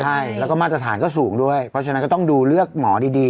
ใช่แล้วก็มาตรฐานก็สูงด้วยเพราะฉะนั้นก็ต้องดูเลือกหมอดี